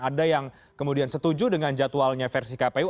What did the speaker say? ada yang kemudian setuju dengan jadwalnya versi kpu